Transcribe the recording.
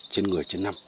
trên người trên năm